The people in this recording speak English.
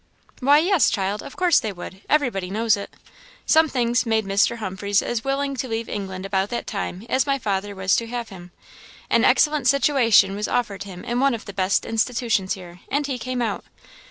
"Why, yes, child! of course they would; everybody knows it. Some things made Mr. Humphreys as willing to leave England about that time as my father was to have him. An excellent situation was offered him in one of the best institutions here, and he came out.